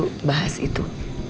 kita bahas itu